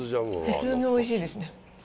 普通においしいですね。